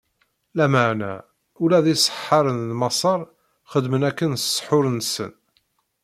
Lameɛna ula d iseḥḥaren n Maṣer xedmen akken s ssḥur-nsen.